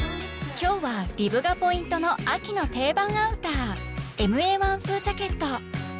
今日はリブがポイントの秋の定番アウター「ＭＡ−１風ジャケット」。